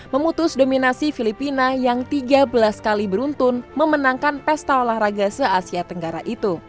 memutus dominasi filipina yang tiga belas kali beruntun memenangkan pesta olahraga se asia tenggara itu